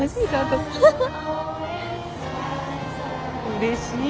うれしい！